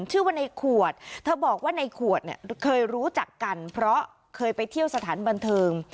ชื่อว่าในขวดเธอบอกว่าในขวดเนี่ยเคยรู้จักกันเพราะเคยไปเที่ยวสถานบันเทิง